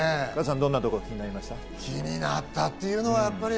どんなところが気になりました？